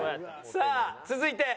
さあ続いて小田。